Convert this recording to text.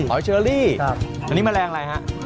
หอยเชอรี่อันนี้แมลงอะไรครับ